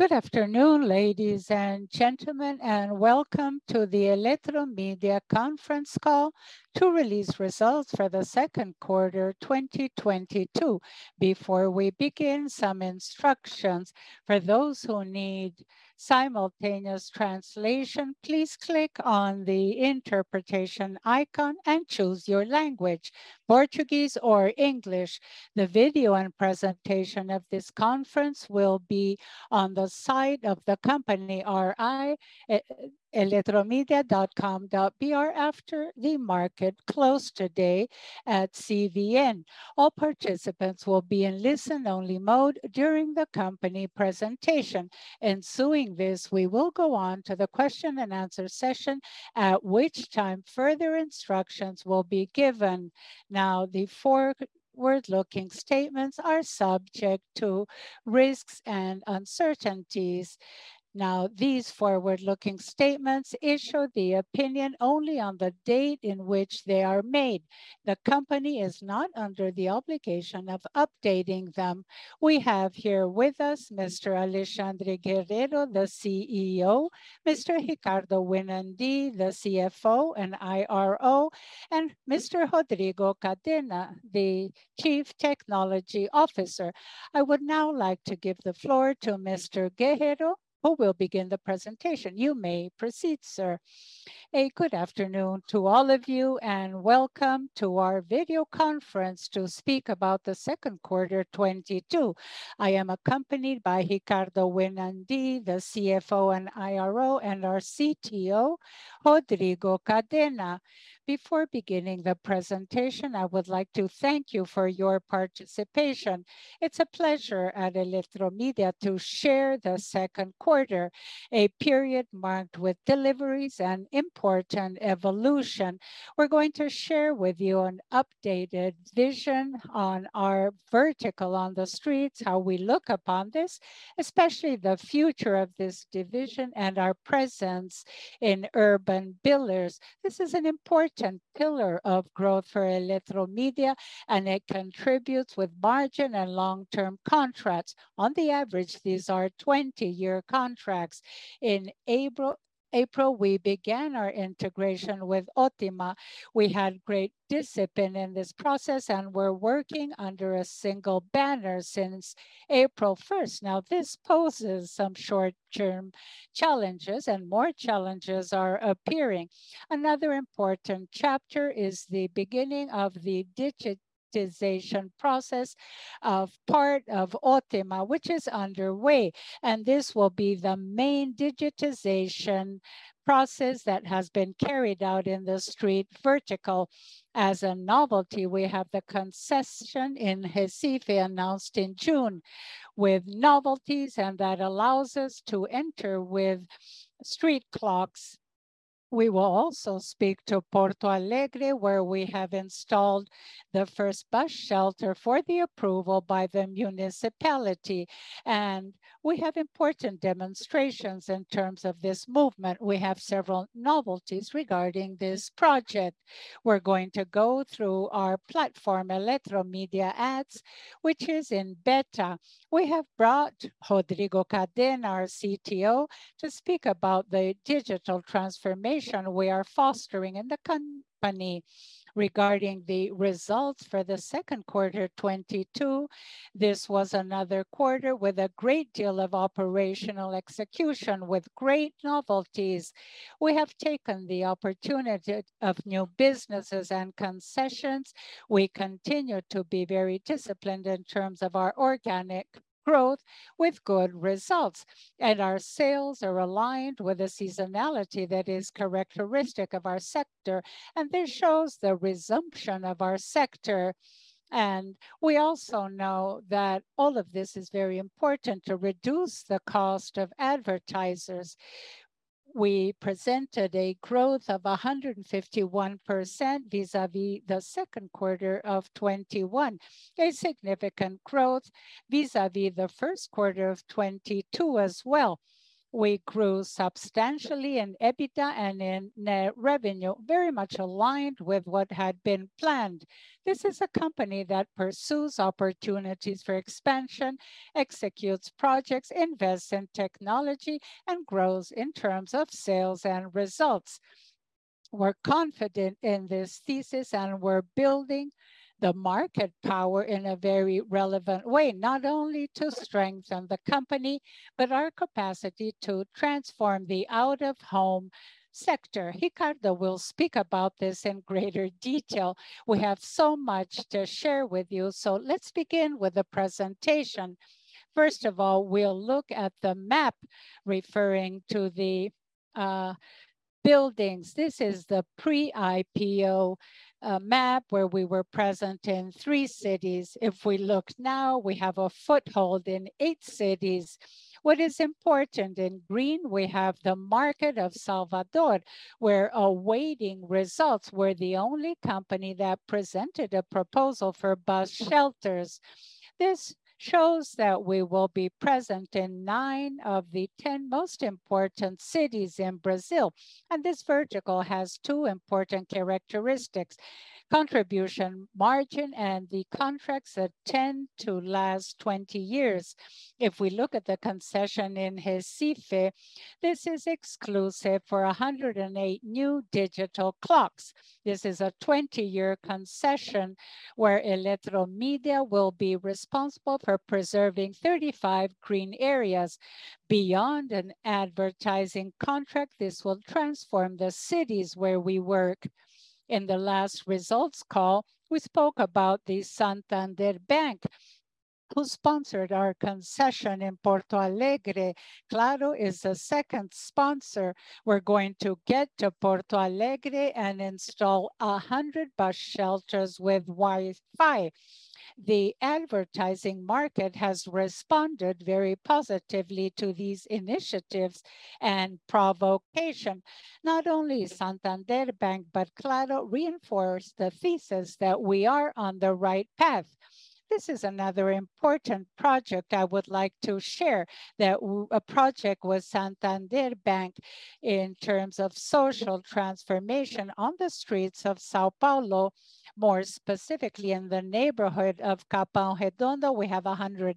Good afternoon, ladies and gentlemen, and welcome to the Eletromidia conference call to release results for the second quarter 2022. Before we begin, some instructions. For those who need simultaneous translation, please click on the interpretation icon and choose your language, Portuguese or English. The video and presentation of this conference will be on the site of the company, ri.eletromidia.com.br, after the market close today at CVM. All participants will be in listen-only mode during the company presentation. Ensuing this, we will go on to the question and answer session, at which time further instructions will be given. The forward-looking statements are subject to risks and uncertainties. These forward-looking statements issue the opinion only on the date in which they are made. The company is not under the obligation of updating them. We have here with us Mr. Alexandre Guerrero, the CEO; Mr. Ricardo Winandy, the CFO and IRO, and Mr. Rodrigo Cadena, the Chief Technology Officer. I would now like to give the floor to Mr. Guerrero, who will begin the presentation. You may proceed, sir. Good afternoon to all of you, and welcome to our video conference to speak about the second quarter 2022. I am accompanied by Ricardo Winandy, the CFO and IRO, and our CTO, Rodrigo Cadena. Before beginning the presentation, I would like to thank you for your participation. It's a pleasure at Eletromidia to share the second quarter, a period marked with deliveries and important evolution. We're going to share with you an updated vision on our vertical on the streets, how we look upon this, especially the future of this division and our presence in urban billboards. This is an important pillar of growth for Eletromidia, and it contributes with margin and long-term contracts. On the average, these are 20-year contracts. In April, we began our integration with Ótima. We had great discipline in this process, and we're working under a single banner since April 1st. Now, this poses some short-term challenges, and more challenges are appearing. Another important chapter is the beginning of the digitization process of part of Ótima, which is underway, and this will be the main digitization process that has been carried out in the street vertical. As a novelty, we have the concession in Recife, announced in June, with novelties, and that allows us to enter with street clocks. We will also speak to Porto Alegre, where we have installed the first bus shelter for the approval by the municipality. We have important demonstrations in terms of this movement. We have several novelties regarding this project. We're going to go through our platform, Eletromidia Ads, which is in beta. We have brought Rodrigo Cadena, our CTO, to speak about the digital transformation we are fostering in the company. Regarding the results for the second quarter 2022, this was another quarter with a great deal of operational execution with great novelties. We have taken the opportunity of new businesses and concessions. We continue to be very disciplined in terms of our organic growth with good results, and our sales are aligned with the seasonality that is characteristic of our sector, and this shows the resumption of our sector. We also know that all of this is very important to reduce the cost of advertisers. We presented a growth of 151% vis-a-vis the second quarter of 2021, a significant growth vis-a-vis the first quarter of 2022 as well. We grew substantially in EBITDA and in net revenue, very much aligned with what had been planned. This is a company that pursues opportunities for expansion, executes projects, invests in technology, and grows in terms of sales and results. We're confident in this thesis, and we're building the market power in a very relevant way, not only to strengthen the company, but our capacity to transform the out-of-home sector. Ricardo will speak about this in greater detail. We have so much to share with you, so let's begin with the presentation. First of all, we'll look at the map. Referring to the buildings, this is the pre-IPO map where we were present in three cities. If we look now, we have a foothold in eight cities. What is important, in green we have the market of Salvador. We're awaiting results. We're the only company that presented a proposal for bus shelters. This shows that we will be present in nine of the 10 most important cities in Brazil, and this vertical has two important characteristics, contribution margin and the contracts that tend to last 20 years. If we look at the concession in Recife, this is exclusive for 108 new digital clocks. This is a 20-year concession where Eletromidia will be responsible for preserving 35 green areas. Beyond an advertising contract, this will transform the cities where we work. In the last results call, we spoke about the Santander Bank who sponsored our concession in Porto Alegre. Claro is the second sponsor. We're going to get to Porto Alegre and install 100 bus shelters with Wi-Fi. The advertising market has responded very positively to these initiatives and provocation. Not only Santander Bank, but Claro reinforced the thesis that we are on the right path. This is another important project I would like to share, a project with Santander Bank in terms of social transformation on the streets of São Paulo, more specifically in the neighborhood of Capão Redondo. We have 100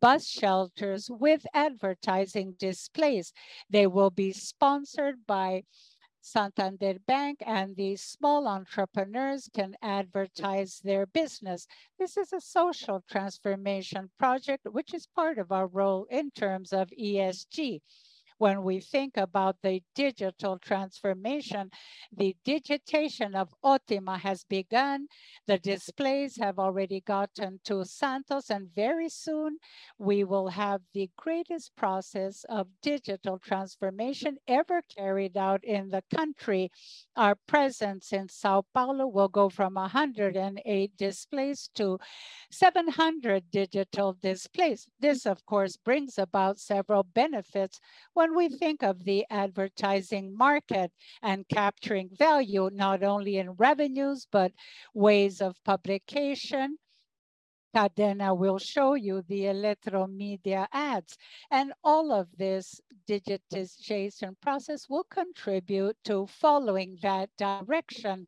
bus shelters with advertising displays. They will be sponsored by Santander Bank, and the small entrepreneurs can advertise their business. This is a social transformation project which is part of our role in terms of ESG. When we think about the digital transformation, the digitization of Ótima has begun. The displays have already gotten to Santos, and very soon we will have the greatest process of digital transformation ever carried out in the country. Our presence in São Paulo will go from 108 displays to 700 digital displays. This of course brings about several benefits when we think of the advertising market and capturing value, not only in revenues, but ways of publication. Cadena will show you the Eletromidia Ads. All of this digitization process will contribute to following that direction.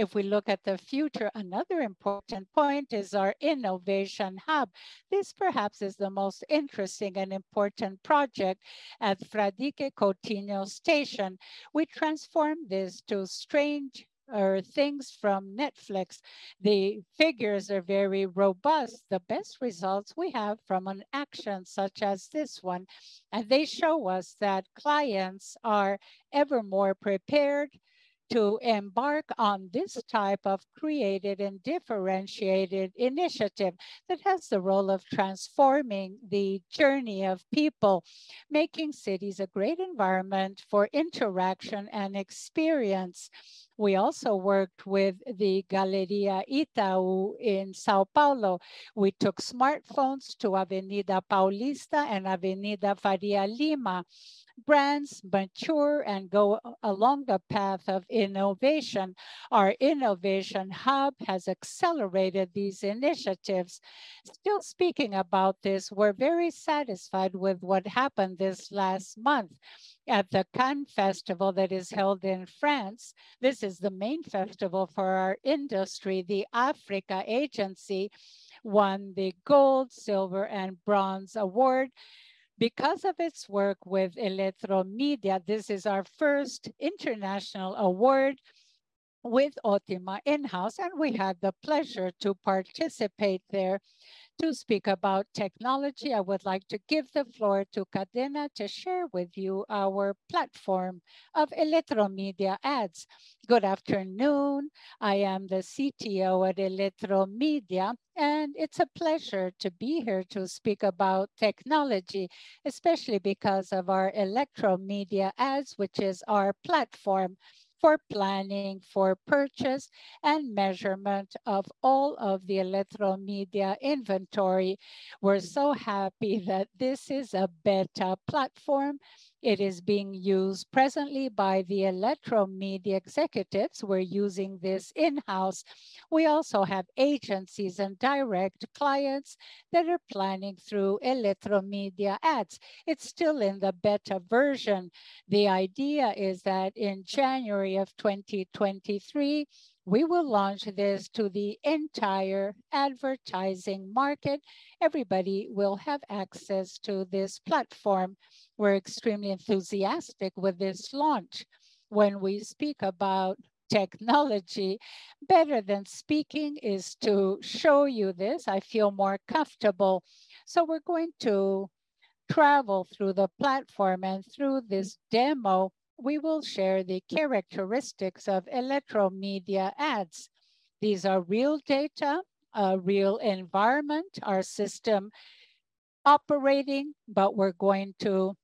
If we look at the future, another important point is our innovation hub. This perhaps is the most interesting and important project at Fradique Coutinho Station. We transformed this to Stranger Things from Netflix. The figures are very robust. The best results we have from an action such as this one, and they show us that clients are ever more prepared to embark on this type of creative and differentiated initiative that has the role of transforming the journey of people, making cities a great environment for interaction and experience. We also worked with the Galeria Itaú in São Paulo. We took smartphones to Avenida Paulista and Avenida Faria Lima. Brands mature and go along the path of innovation. Our innovation hub has accelerated these initiatives. Still speaking about this, we're very satisfied with what happened this last month at the Cannes Lions that is held in France. This is the main festival for our industry. Africa Creative won the gold, silver, and bronze award because of its work with Eletromidia. This is our first international award with Ótima in-house, and we had the pleasure to participate there. To speak about technology, I would like to give the floor to Cadena to share with you our platform of Eletromidia Ads. Good afternoon. I am the CTO at Eletromidia, and it's a pleasure to be here to speak about technology, especially because of our Eletromidia Ads, which is our platform for planning, for purchase, and measurement of all of the Eletromidia inventory. We're so happy that this is a beta platform. It is being used presently by the Eletromidia executives. We're using this in-house. We also have agencies and direct clients that are planning through Eletromidia Ads. It's still in the beta version. The idea is that in January of 2023, we will launch this to the entire advertising market. Everybody will have access to this platform. We're extremely enthusiastic with this launch. When we speak about technology, better than speaking is to show you this. I feel more comfortable. We're going to travel through the platform, and through this demo, we will share the characteristics of Eletromidia Ads. These are real data, a real environment, our system operating, but we're going to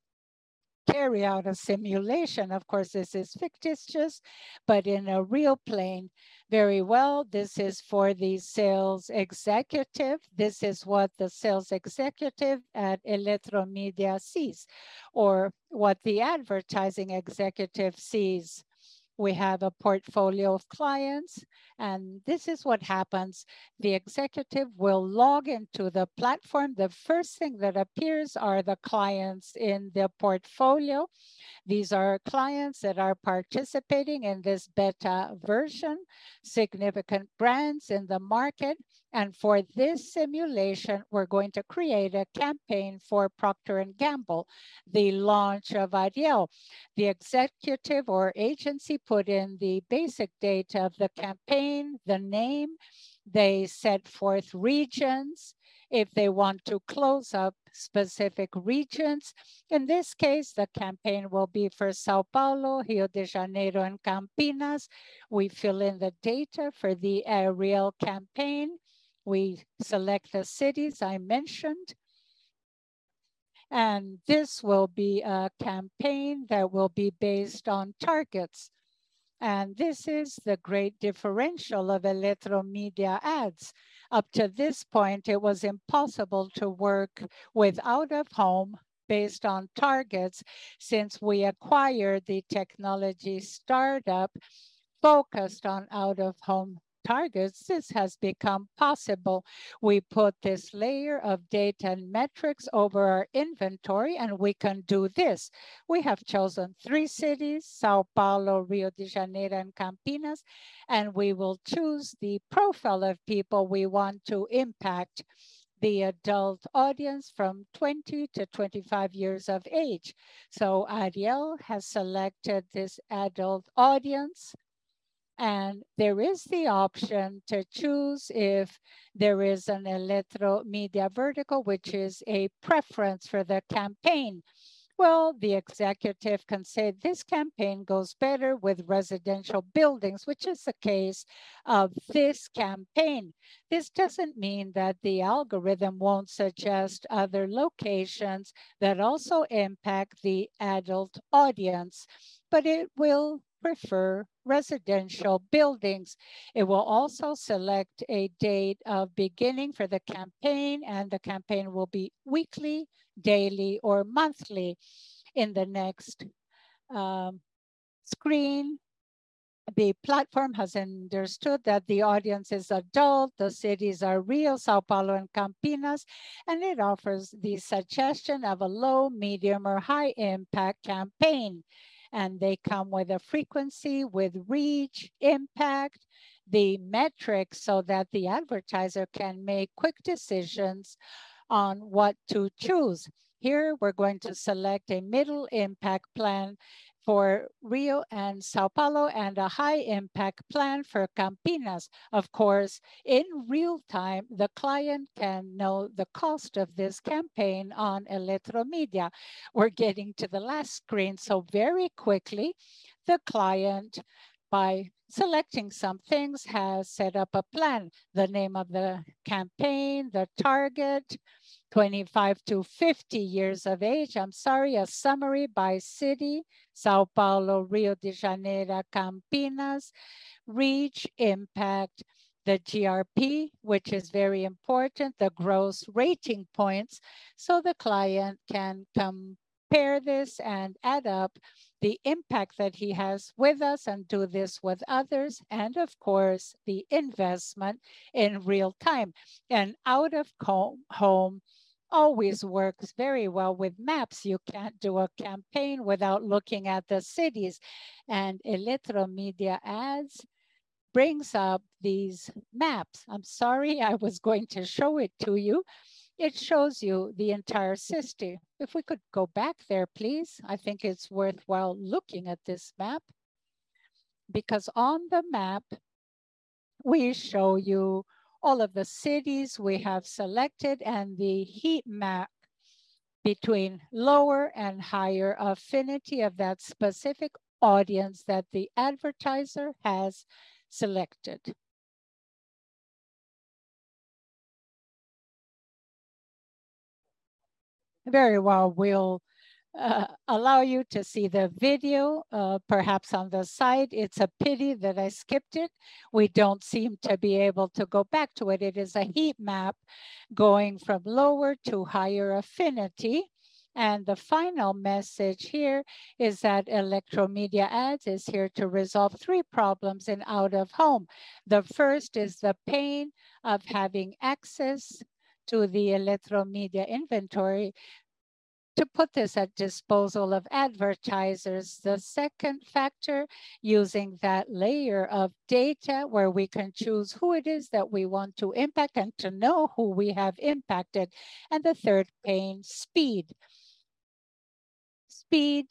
carry out a simulation. Of course, this is fictitious, but in a real plane. Very well, this is for the sales executive. This is what the sales executive at Eletromidia sees, or what the advertising executive sees. We have a portfolio of clients, and this is what happens. The executive will log into the platform. The first thing that appears are the clients in their portfolio. These are clients that are participating in this beta version, significant brands in the market. For this simulation, we're going to create a campaign for Procter & Gamble, the launch of Ariel. The executive or agency put in the basic data of the campaign, the name. They set forth regions if they want to close up specific regions. In this case, the campaign will be for São Paulo, Rio de Janeiro, and Campinas. We fill in the data for the aerial campaign. We select the cities I mentioned. This will be a campaign that will be based on targets. This is the great differential of Eletromidia Ads. Up to this point, it was impossible to work with out-of-home based on targets. Since we acquired the technology startup focused on out-of-home targets, this has become possible. We put this layer of data and metrics over our inventory, and we can do this. We have chosen three cities, São Paulo, Rio de Janeiro, and Campinas, and we will choose the profile of people we want to impact, the adult audience from 20-25 years of age. Ariel has selected this adult audience, and there is the option to choose if there is an Eletromidia vertical, which is a preference for the campaign. Well, the executive can say this campaign goes better with residential buildings, which is the case of this campaign. This doesn't mean that the algorithm won't suggest other locations that also impact the adult audience, but it will prefer residential buildings. It will also select a date of beginning for the campaign, and the campaign will be weekly, daily, or monthly. In the next screen, the platform has understood that the audience is adult, the cities are Rio, São Paulo, and Campinas, and it offers the suggestion of a low, medium, or high impact campaign. They come with a frequency, with reach, impact, the metrics so that the advertiser can make quick decisions on what to choose. Here we're going to select a middle impact plan for Rio and São Paulo and a high impact plan for Campinas. Of course, in real time, the client can know the cost of this campaign on Eletromidia. We're getting to the last screen, so very quickly, the client, by selecting some things, has set up a plan. The name of the campaign, the target, 25-50 years of age. I'm sorry, a summary by city, São Paulo, Rio de Janeiro, Campinas. Reach, impact, the GRP, which is very important, the gross rating points, so the client can compare this and add up the impact that he has with us and do this with others, and of course, the investment in real time. Out-of-home always works very well with maps. You can't do a campaign without looking at the cities. Eletromidia Ads brings up these maps. I'm sorry, I was going to show it to you. It shows you the entire city. If we could go back there, please. I think it's worthwhile looking at this map because on the map we show you all of the cities we have selected and the heat map between lower and higher affinity of that specific audience that the advertiser has selected. Very well. We'll allow you to see the video, perhaps on the side. It's a pity that I skipped it. We don't seem to be able to go back to it. It is a heat map going from lower to higher affinity. The final message here is that Eletromidia Ads is here to resolve three problems in out-of-home. The first is the pain of having access to the Eletromidia inventory to put this at disposal of advertisers. The second factor, using that layer of data where we can choose who it is that we want to impact and to know who we have impacted. The third pain, speed. Speed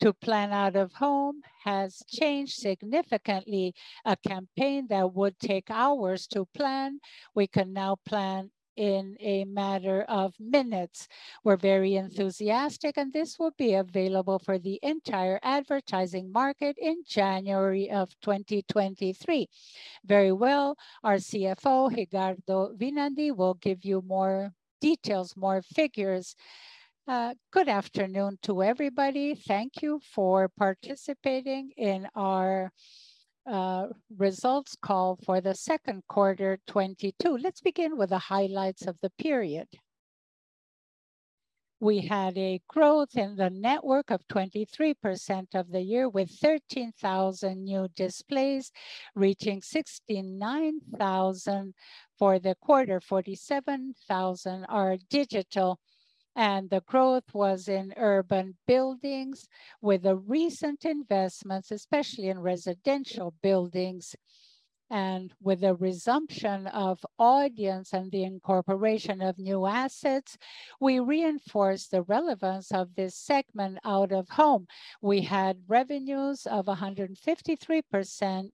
to plan out-of-home has changed significantly. A campaign that would take hours to plan, we can now plan in a matter of minutes. We're very enthusiastic, and this will be available for the entire advertising market in January 2023. Very well. Our CFO, Ricardo Winandy, will give you more details, more figures. Good afternoon to everybody. Thank you for participating in our results call for the second quarter 2022. Let's begin with the highlights of the period. We had a growth in the network of 23% of the year with 13,000 new displays, reaching 69,000 for the quarter. 47,000 are digital. The growth was in urban buildings with the recent investments, especially in residential buildings. With the resumption of audience and the incorporation of new assets, we reinforced the relevance of this segment out of home. We had revenues of 153%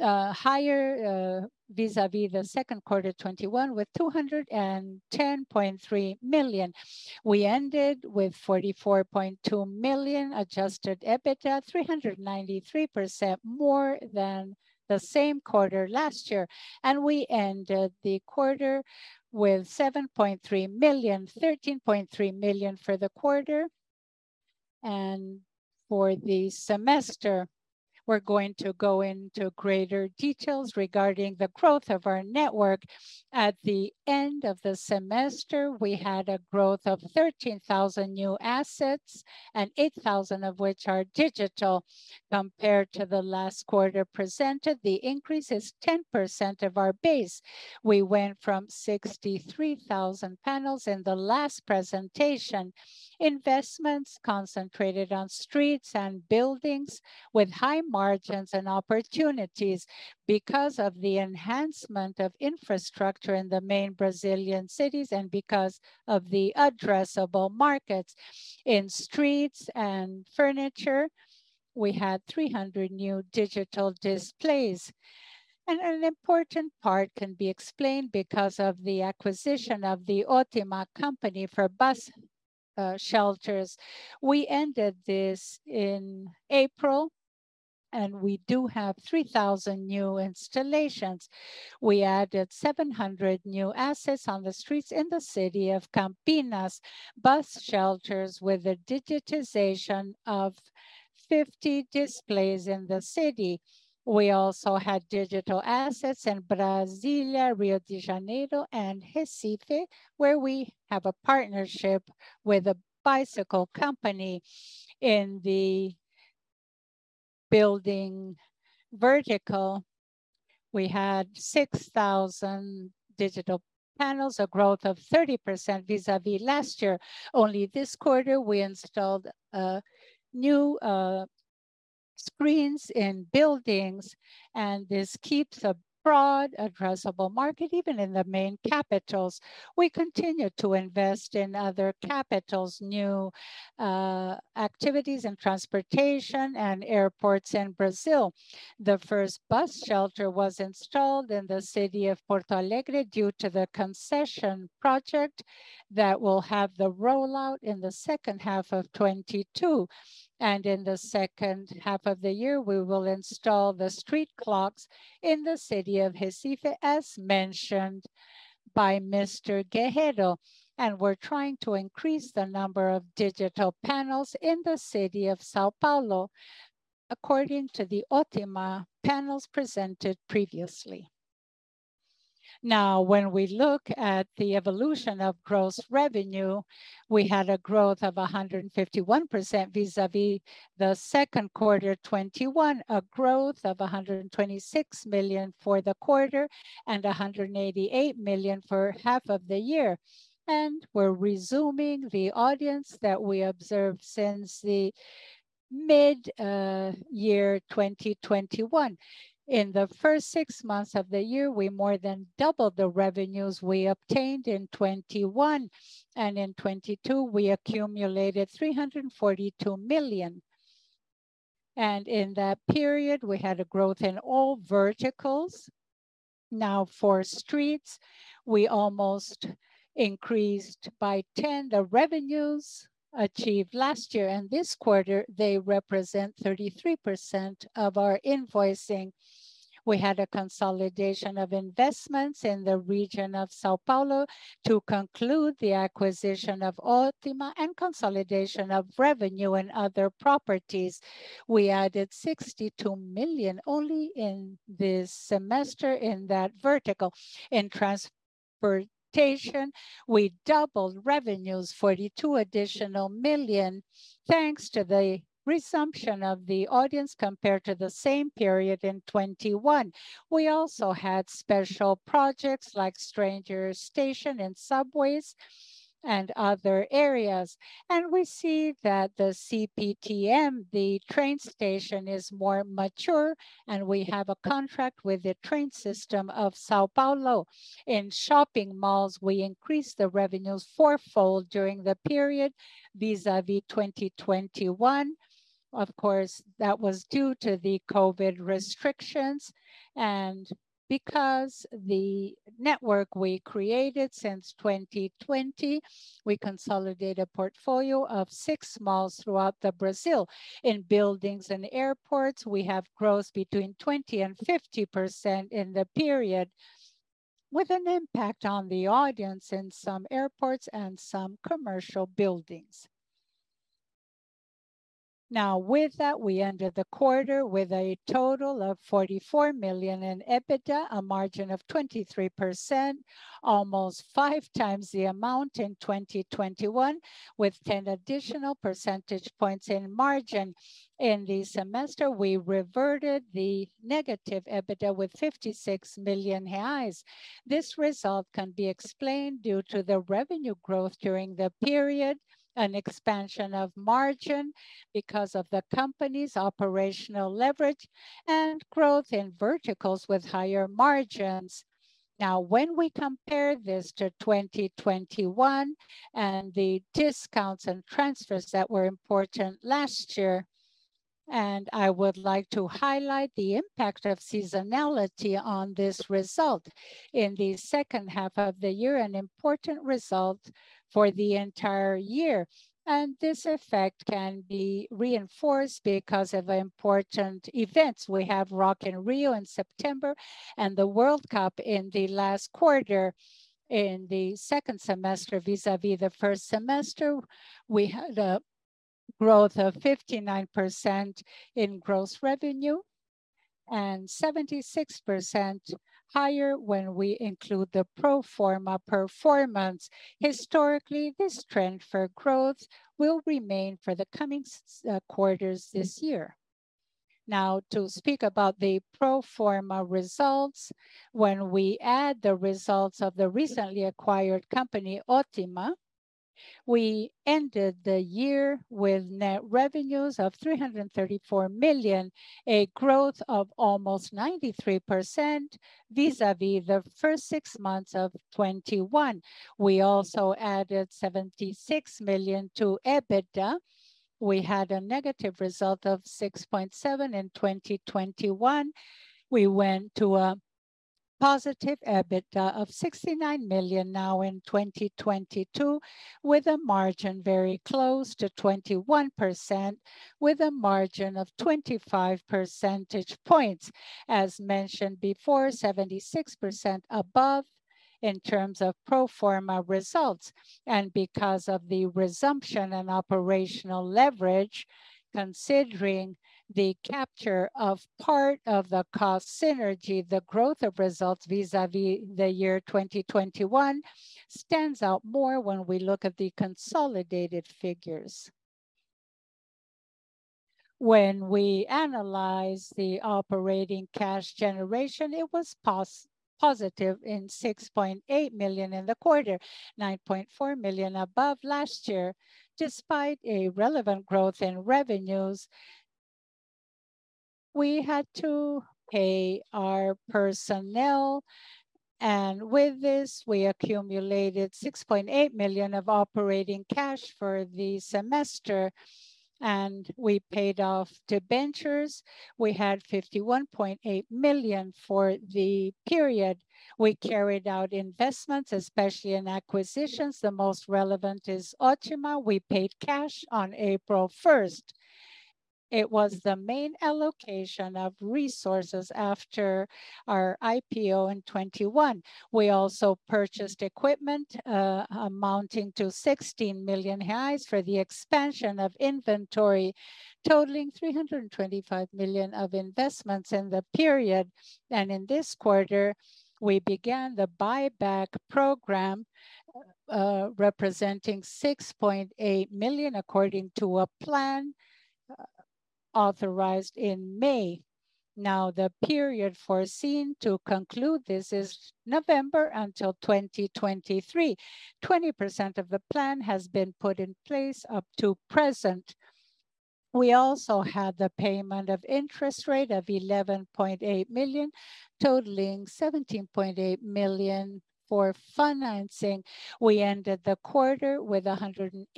higher vis-à-vis the second quarter 2021 with 210.3 million. We ended with 44.2 million adjusted EBITDA, 393% more than the same quarter last year. We ended the quarter with 7.3 million, 13.3 million for the quarter. For the semester, we're going to go into greater details regarding the growth of our network. At the end of the semester, we had a growth of 13,000 new assets and 8,000 of which are digital. Compared to the last quarter presented, the increase is 10% of our base. We went from 63,000 panels in the last presentation. Investments concentrated on streets and buildings with high margins and opportunities because of the enhancement of infrastructure in the main Brazilian cities and because of the addressable markets. In streets and furniture, we had 300 new digital displays. An important part can be explained because of the acquisition of the Ótima company for bus shelters. We ended this in April, and we do have 3,000 new installations. We added 700 new assets on the streets in the city of Campinas bus shelters with the digitization of 50 displays in the city. We also had digital assets in Brasília, Rio de Janeiro, and Recife, where we have a partnership with a bicycle company. In the building vertical, we had 6,000 digital panels, a growth of 30% vis-à-vis last year. Only this quarter we installed new screens in buildings, and this keeps a broad addressable market even in the main capitals. We continue to invest in other capitals, new activities in transportation and airports in Brazil. The first bus shelter was installed in the city of Porto Alegre due to the concession project that will have the rollout in the second half of 2022. In the second half of the year, we will install the street clocks in the city of Recife as mentioned by Mr. Guerrero. We're trying to increase the number of digital panels in the city of São Paulo according to the Ótima panels presented previously. Now, when we look at the evolution of gross revenue, we had a growth of 151% vis-à-vis the second quarter 2021, a growth of 126 million for the quarter and 188 million for half of the year. We're resuming the audience that we observed since the mid year 2021. In the first six months of the year, we more than doubled the revenues we obtained in 2021. In 2022, we accumulated 342 million. In that period, we had a growth in all verticals. Now, for streets, we almost increased by 10 the revenues achieved last year, and this quarter they represent 33% of our invoicing. We had a consolidation of investments in the region of São Paulo to conclude the acquisition of Ótima and consolidation of revenue and other properties. We added 62 million only in this semester in that vertical. In transportation, we doubled revenues 42 million additional, thanks to the resumption of the audience compared to the same period in 2021. We also had special projects like Stranger Things station and subways and other areas. We see that the CPTM, the train station, is more mature, and we have a contract with the train system of São Paulo. In shopping malls, we increased the revenues fourfold during the period vis-à-vis 2021. Of course, that was due to the COVID restrictions. Because the network we created since 2020, we consolidate a portfolio of six malls throughout Brazil. In buildings and airports, we have growth between 20%-50% in the period, with an impact on the audience in some airports and some commercial buildings. Now with that, we ended the quarter with a total of 44 million in EBITDA, a margin of 23%, almost five times the amount in 2021, with 10 additional percentage points in margin. In the semester, we reverted the negative EBITDA with 56 million reais. This result can be explained due to the revenue growth during the period and expansion of margin because of the company's operational leverage and growth in verticals with higher margins. Now, when we compare this to 2021 and the discounts and transfers that were important last year, and I would like to highlight the impact of seasonality on this result in the second half of the year, an important result for the entire year. This effect can be reinforced because of important events. We have Rock in Rio in September and the World Cup in the last quarter. In the second semester, vis-à-vis the first semester, we had a growth of 59% in gross revenue and 76% higher when we include the pro forma performance. Historically, this trend for growth will remain for the coming quarters this year. Now, to speak about the pro forma results. When we add the results of the recently acquired company, Ótima, we ended the year with net revenues of 334 million, a growth of almost 93% vis-à-vis the first six months of 2021. We also added 76 million to EBITDA. We had a negative result of 6.7 million in 2021. We went to a positive EBITDA of 69 million now in 2022, with a margin very close to 21%, with a margin of 25 percentage points. As mentioned before, 76% above in terms of pro forma results. Because of the resumption and operational leverage, considering the capture of part of the cost synergy, the growth of results vis-à-vis the year 2021 stands out more when we look at the consolidated figures. When we analyze the operating cash generation, it was positive in 6.8 million in the quarter, 9.4 million above last year. Despite a relevant growth in revenues, we had to pay our personnel, and with this, we accumulated 6.8 million of operating cash for the semester, and we paid off debentures. We had 51.8 million for the period. We carried out investments, especially in acquisitions. The most relevant is Ótima. We paid cash on April 1st. It was the main allocation of resources after our IPO in 2021. We also purchased equipment, amounting to 16 million reais for the expansion of inventory, totaling 325 million of investments in the period. In this quarter, we began the buyback program, representing 6.8 million according to a plan authorized in May. Now, the period foreseen to conclude this is November 2023. 20% of the plan has been put in place up to present. We also had the payment of interest payments of 11.8 million, totaling 17.8 million for financing. We ended the quarter with 118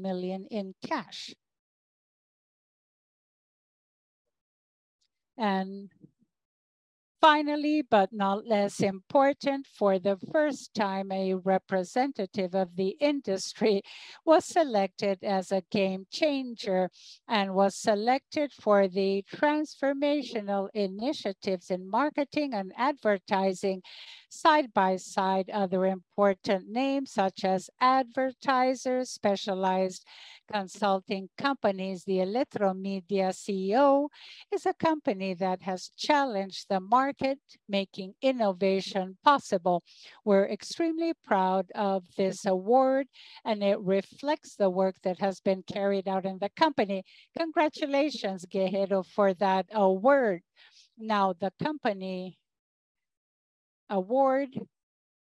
million in cash. Finally, but no less important, for the first time, a representative of the industry was selected as a game changer and was selected for the transformational initiatives in marketing and advertising side by side other important names such as advertisers, specialized consulting companies. The Eletromidia CEO is a company that has challenged the market, making innovation possible. We're extremely proud of this award, and it reflects the work that has been carried out in the company. Congratulations, Guerrero, for that award. Now, the company award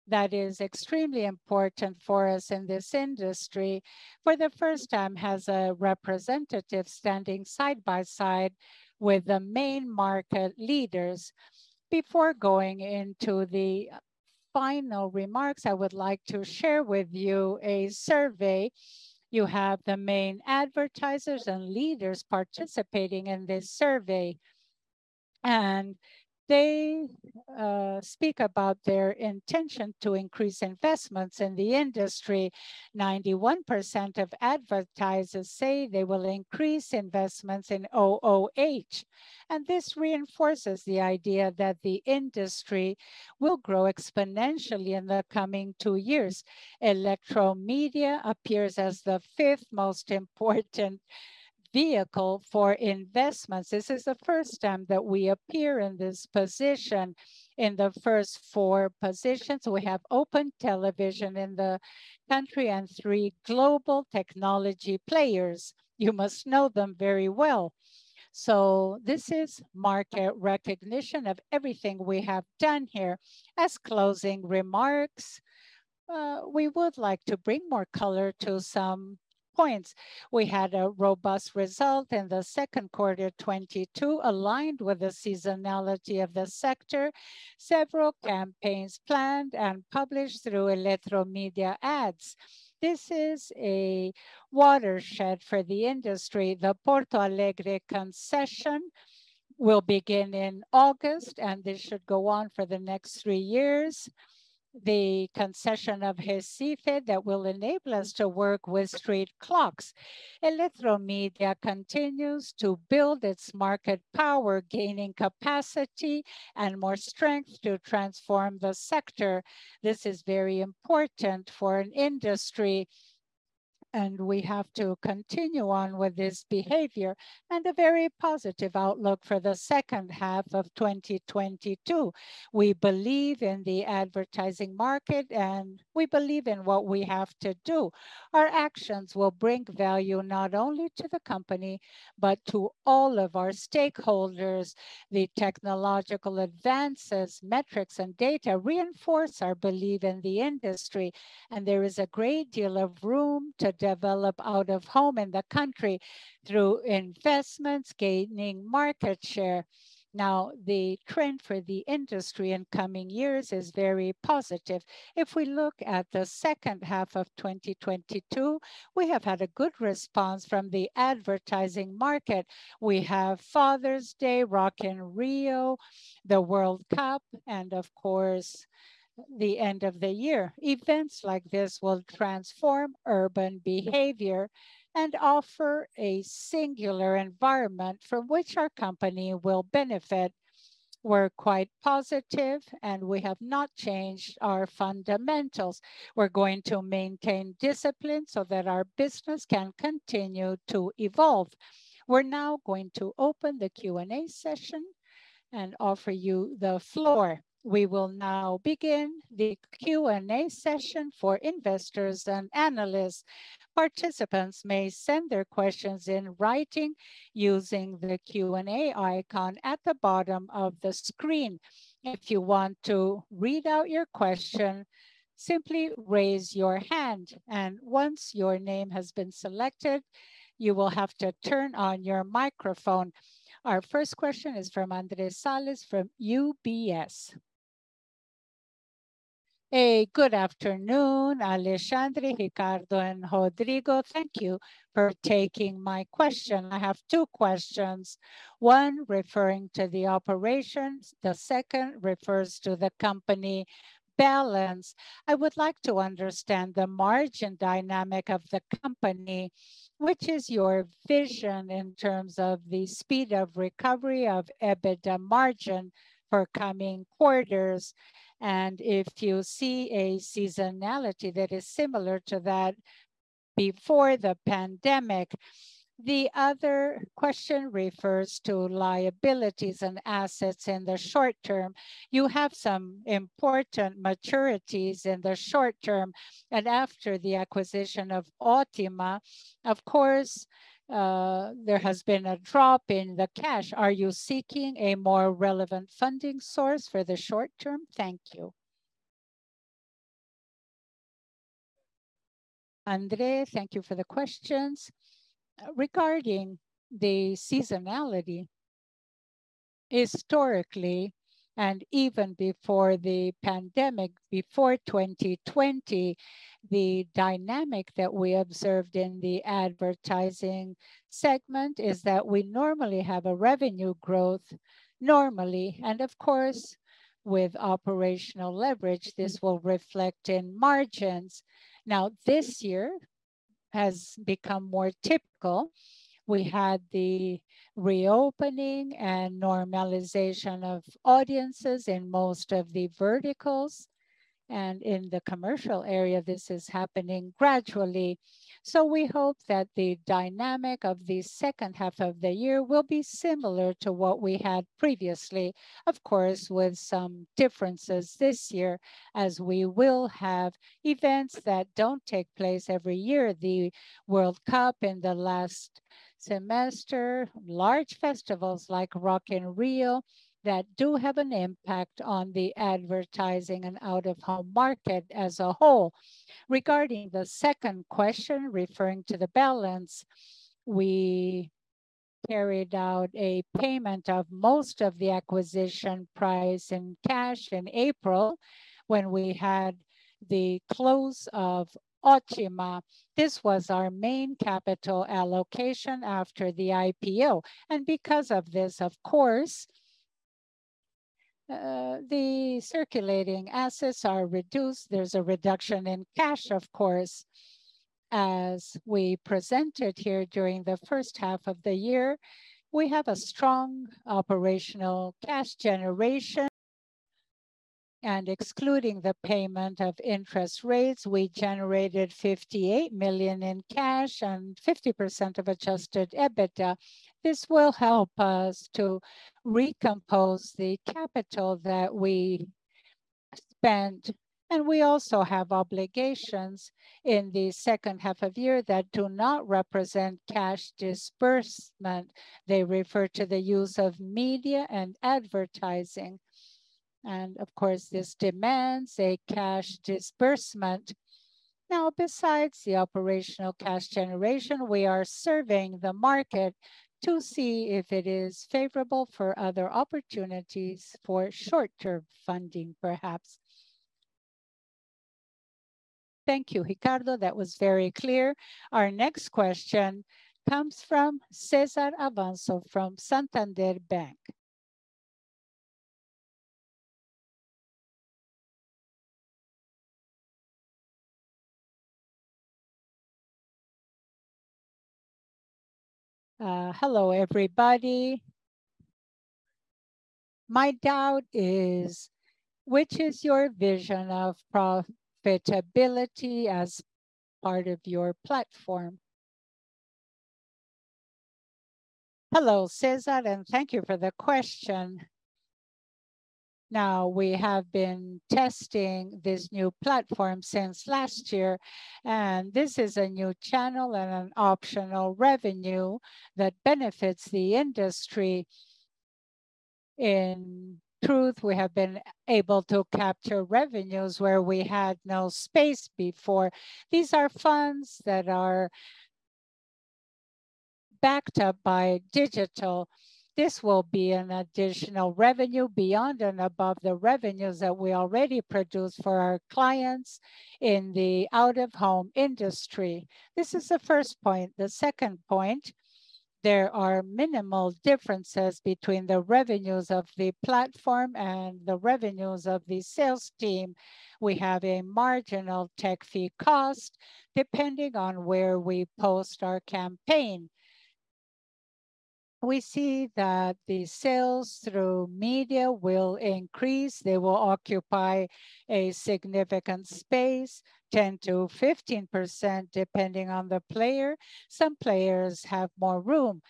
that is extremely important for us in this industry, for the first time, has a representative standing side by side with the main market leaders. Before going into the final remarks, I would like to share with you a survey. You have the main advertisers and leaders participating in this survey. They speak about their intention to increase investments in the industry. 91% of advertisers say they will increase investments in OOH. This reinforces the idea that the industry will grow exponentially in the coming two years. Eletromidia appears as the fifth most important vehicle for investments. This is the first time that we appear in this position. In the first four positions, we have open television in the country and three global technology players. You must know them very well. This is market recognition of everything we have done here. As closing remarks, we would like to bring more color to some points. We had a robust result in the second quarter 2022 aligned with the seasonality of the sector. Several campaigns planned and published through Eletromidia Ads. This is a watershed for the industry. The Porto Alegre concession will begin in August, and this should go on for the next three years. The concession of Recife that will enable us to work with street clocks. Eletromidia continues to build its market power, gaining capacity and more strength to transform the sector. This is very important for an industry, and we have to continue on with this behavior. A very positive outlook for the second half of 2022. We believe in the advertising market, and we believe in what we have to do. Our actions will bring value not only to the company, but to all of our stakeholders. The technological advances, metrics, and data reinforce our belief in the industry, and there is a great deal of room to develop out-of-home in the country through investments gaining market share. Now, the trend for the industry in coming years is very positive. If we look at the second half of 2022, we have had a good response from the advertising market. We have Father's Day, Rock in Rio, the World Cup, and of course, the end of the year. Events like this will transform urban behavior and offer a singular environment from which our company will benefit. We're quite positive, and we have not changed our fundamentals. We're going to maintain discipline so that our business can continue to evolve. We're now going to open the Q&A session and offer you the floor. We will now begin the Q&A session for investors and analysts. Participants may send their questions in writing using the Q&A icon at the bottom of the screen. If you want to read out your question, simply raise your hand, and once your name has been selected, you will have to turn on your microphone. Our first question is from Andre Salles from UBS. Hey, good afternoon, Alexandre, Ricardo, and Rodrigo. Thank you for taking my question. I have two questions, one referring to the operations, the second refers to the company balance. I would like to understand the margin dynamic of the company. Which is your vision in terms of the speed of recovery of EBITDA margin for coming quarters? If you see a seasonality that is similar to that before the pandemic. The other question refers to liabilities and assets in the short term. You have some important maturities in the short term. After the acquisition of Ótima, of course, there has been a drop in the cash. Are you seeking a more relevant funding source for the short term? Thank you. Andre, thank you for the questions. Regarding the seasonality, historically, and even before the pandemic, before 2020, the dynamic that we observed in the advertising segment is that we normally have a revenue growth normally. Of course, with operational leverage, this will reflect in margins. Now, this year has become more typical. We had the reopening and normalization of audiences in most of the verticals, and in the commercial area, this is happening gradually. We hope that the dynamic of the second half of the year will be similar to what we had previously. Of course, with some differences this year, as we will have events that don't take place every year, the World Cup in the last semester, large festivals like Rock in Rio, that do have an impact on the advertising and out-of-home market as a whole. Regarding the second question, referring to the balance, we carried out a payment of most of the acquisition price in cash in April when we had the close of Ótima. This was our main capital allocation after the IPO. Because of this, of course, the circulating assets are reduced. There's a reduction in cash, of course. As we presented here during the first half of the year, we have a strong operational cash generation, and excluding the payment of interest rates, we generated 58 million in cash and 50% of adjusted EBITDA. This will help us to recompose the capital that we spent, and we also have obligations in the second half of the year that do not represent cash disbursement. They refer to the use of media and advertising, and of course, this demands a cash disbursement. Now, besides the operational cash generation, we are surveying the market to see if it is favorable for other opportunities for short-term funding, perhaps. Thank you, Ricardo. That was very clear. Our next question comes from César Davanço from Santander Bank. Hello, everybody. My doubt is, which is your vision of profitability as part of your platform? Hello, César, and thank you for the question. Now, we have been testing this new platform since last year, and this is a new channel and an optional revenue that benefits the industry. In truth, we have been able to capture revenues where we had no space before. These are funds that are backed up by digital. This will be an additional revenue beyond and above the revenues that we already produce for our clients in the out-of-home industry. This is the first point. The second point, there are minimal differences between the revenues of the platform and the revenues of the sales team. We have a marginal tech fee cost depending on where we post our campaign. We see that the sales through media will increase. They will occupy a significant space, 10%-15%, depending on the player. Some players have more room.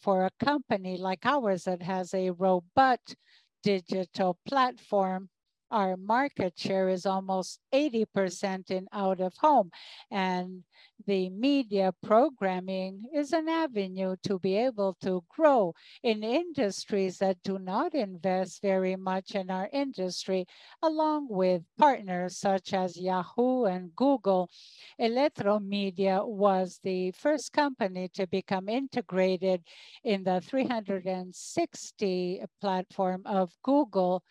For a company like ours that has a robust digital platform, our market share is almost 80% in out-of-home, and the media programming is an avenue to be able to grow in industries that do not invest very much in our industry, along with partners such as Yahoo and Google. Eletromidia was the first company to become integrated in the 360 platform of Google,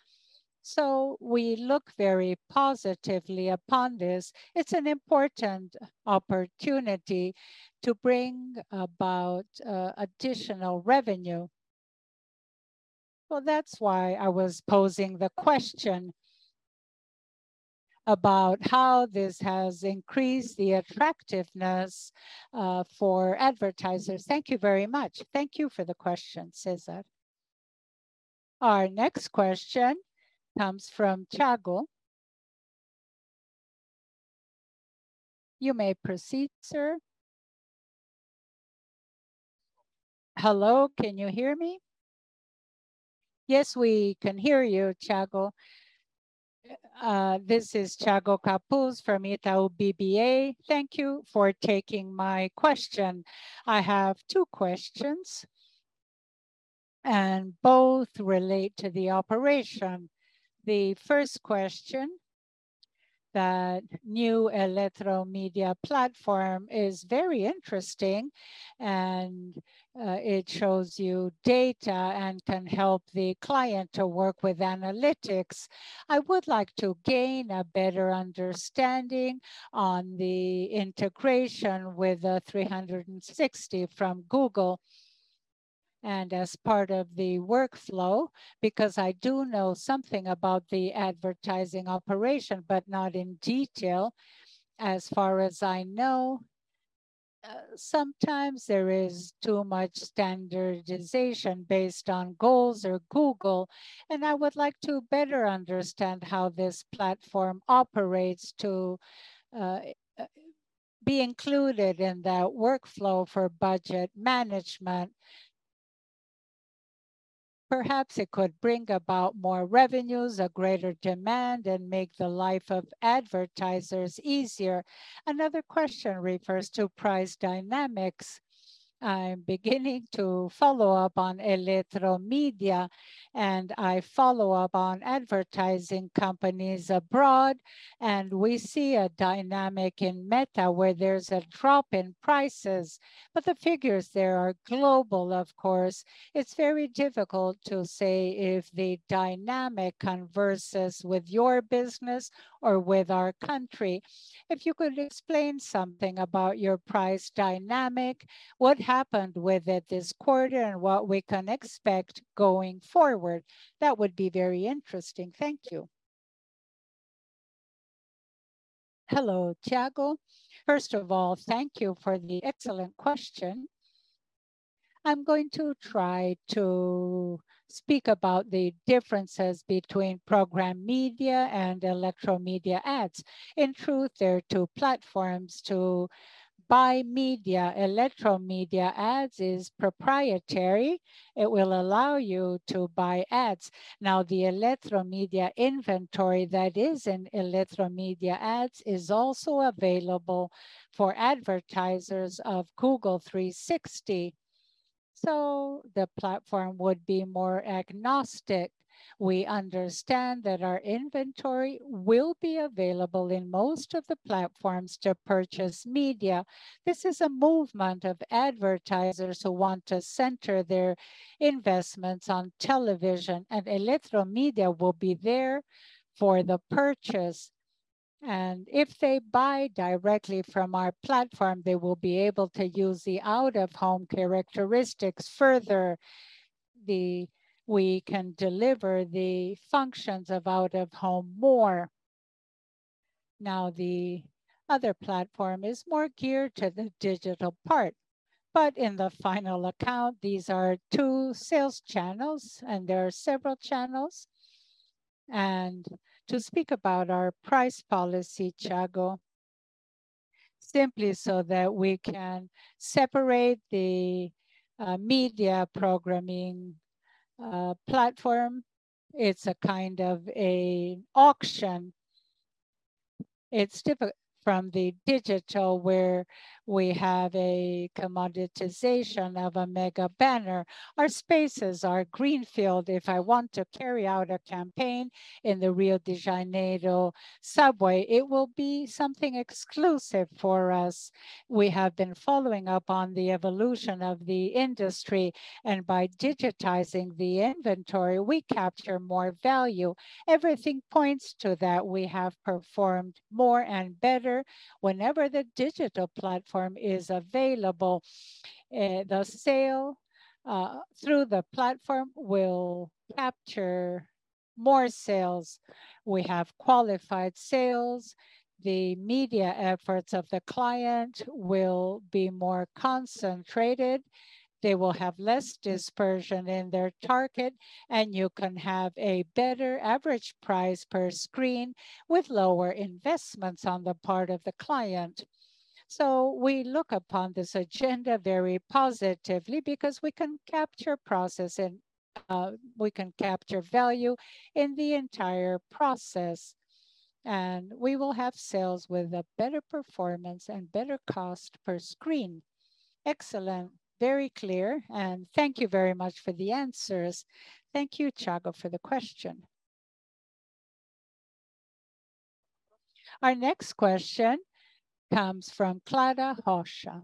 so we look very positively upon this. It's an important opportunity to bring about additional revenue. Well, that's why I was posing the question about how this has increased the attractiveness for advertisers. Thank you very much. Thank you for the question, César. Our next question comes from Thiago. You may proceed, sir. Hello, can you hear me? Yes, we can hear you, Thiago. This is Thiago Kapulskis from Itaú BBA. Thank you for taking my question. I have two questions, and both relate to the operation. The first question, the new Eletromidia platform is very interesting, and it shows you data and can help the client to work with analytics. I would like to gain a better understanding on the integration with the 360 from Google and as part of the workflow, because I do know something about the advertising operation, but not in detail. As far as I know, sometimes there is too much standardization based on goals or Google, and I would like to better understand how this platform operates to be included in that workflow for budget management. Perhaps it could bring about more revenues, a greater demand, and make the life of advertisers easier. Another question refers to price dynamics. I'm beginning to follow up on Eletromidia, and I follow up on advertising companies abroad, and we see a dynamic in Meta where there's a drop in prices. The figures there are global, of course. It's very difficult to say if the dynamic converses with your business or with our country. If you could explain something about your price dynamic, what happened with it this quarter, and what we can expect going forward, that would be very interesting. Thank you. Hello, Thiago. First of all, thank you for the excellent question. I'm going to try to speak about the differences between programmatic media and Eletromidia Ads. In truth, they're two platforms to buy media. Eletromidia Ads is proprietary. It will allow you to buy ads. Now, the Eletromidia inventory that is in Eletromidia Ads is also available for advertisers of Google DV360. The platform would be more agnostic. We understand that our inventory will be available in most of the platforms to purchase media. This is a movement of advertisers who want to center their investments on television, and Eletromidia will be there for the purchase. If they buy directly from our platform, they will be able to use the out-of-home characteristics further. We can deliver the functions of out-of-home more. Now, the other platform is more geared to the digital part. In the final account, these are two sales channels, and there are several channels. To speak about our price policy, Thiago, simply so that we can separate the, media programming, platform, it's a kind of an auction. It's different from the digital where we have a commoditization of a mega banner. Our spaces are greenfield. If I want to carry out a campaign in the Rio de Janeiro subway, it will be something exclusive for us. We have been following up on the evolution of the industry, and by digitizing the inventory, we capture more value. Everything points to that we have performed more and better whenever the digital platform is available. The sale through the platform will capture more sales. We have qualified sales. The media efforts of the client will be more concentrated. They will have less dispersion in their target, and you can have a better average price per screen with lower investments on the part of the client. We look upon this agenda very positively because we can capture value in the entire process, and we will have sales with a better performance and better cost per screen. Excellent. Very clear. Thank you very much for the answers. Thank you, Thiago, for the question. Our next question comes from Clara Rocha.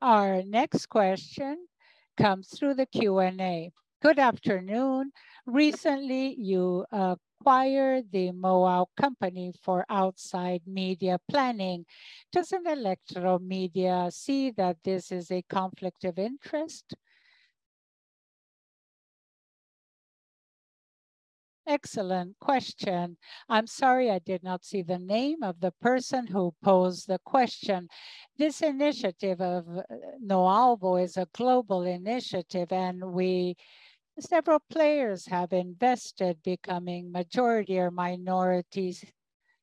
Our next question comes through the Q&A. "Good afternoon. Recently, you acquired the NOALVO company for out-of-home media planning. Doesn't Eletromidia see that this is a conflict of interest?" Excellent question. I'm sorry I did not see the name of the person who posed the question. This initiative of NOALVO is a global initiative, and we, several players, have invested, becoming majority or minority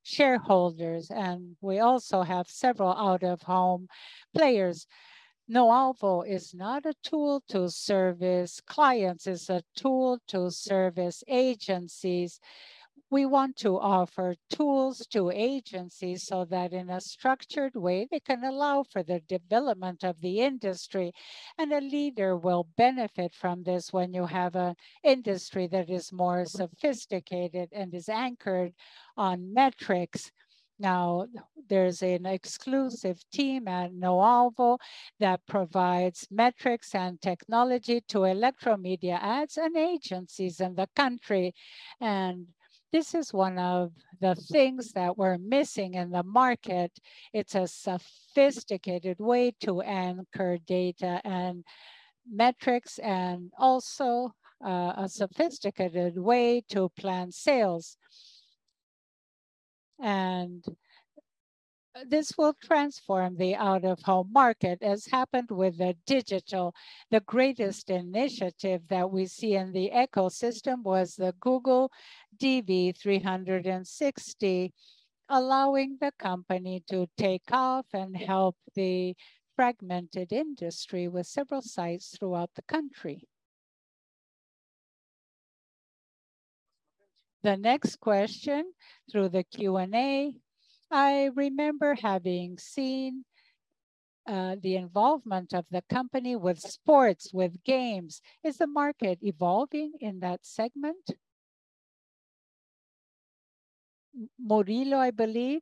shareholders, and we also have several out-of-home players. NOALVO is not a tool to service clients. It's a tool to service agencies. We want to offer tools to agencies so that in a structured way, they can allow for the development of the industry. A leader will benefit from this when you have an industry that is more sophisticated and is anchored on metrics. Now, there's an exclusive team at NOALVO that provides metrics and technology to Eletromidia Ads and agencies in the country. This is one of the things that were missing in the market. It's a sophisticated way to anchor data and metrics and also, a sophisticated way to plan sales. This will transform the out-of-home market, as happened with the digital. The greatest initiative that we see in the ecosystem was the Google DV360, allowing the company to take off and help the fragmented industry with several sites throughout the country. The next question through the Q&A: I remember having seen, the involvement of the company with sports, with games. Is the market evolving in that segment? Murilo, I believe.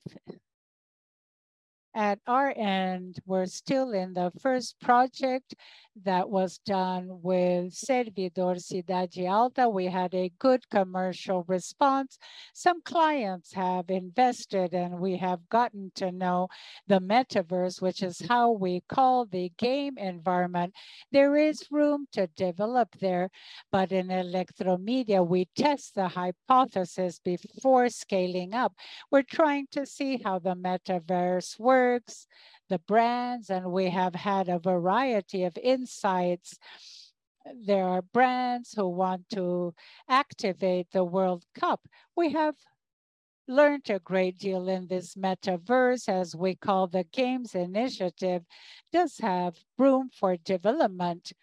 At our end, we're still in the first project that was done with servidor Cidade Alta. We had a good commercial response. Some clients have invested, and we have gotten to know the metaverse, which is how we call the game environment. There is room to develop there, but in Eletromidia, we test the hypothesis before scaling up. We're trying to see how the metaverse works, the brands, and we have had a variety of insights. There are brands who want to activate the World Cup. We have learned a great deal in this metaverse, as we call the games initiative. It does have room for development.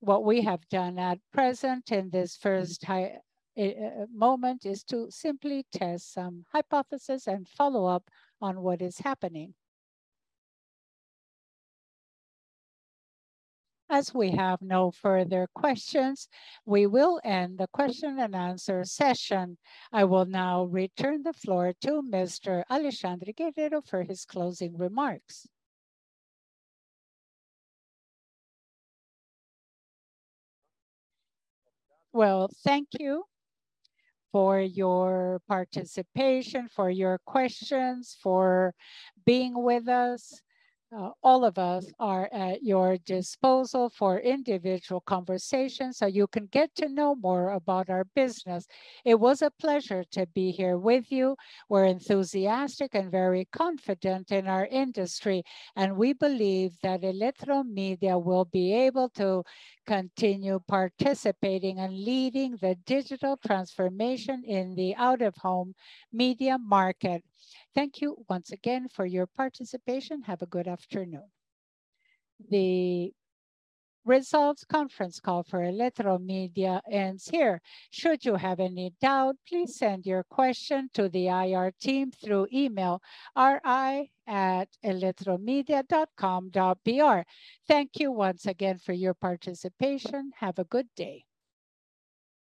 What we have done at present in this first moment is to simply test some hypothesis and follow up on what is happening. As we have no further questions, we will end the question and answer session. I will now return the floor to Mr. Alexandre Guerrero for his closing remarks. Well, thank you for your participation, for your questions, for being with us. All of us are at your disposal for individual conversations so you can get to know more about our business. It was a pleasure to be here with you. We're enthusiastic and very confident in our industry, and we believe that Eletromidia will be able to continue participating and leading the digital transformation in the out-of-home media market. Thank you once again for your participation. Have a good afternoon. The results conference call for Eletromidia ends here. Should you have any doubt, please send your question to the IR team through email, ri@eletromidia.com.br. Thank you once again for your participation. Have a good day.